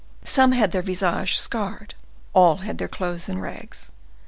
Some had their visages scarred,—all had their clothes in rags.